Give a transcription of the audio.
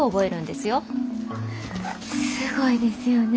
すごいですよね。